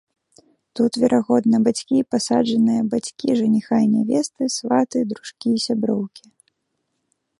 Тут, верагодна, бацькі і пасаджаныя бацькі жаніха і нявесты, сваты, дружкі і сяброўкі.